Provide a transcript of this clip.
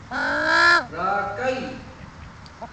راکائ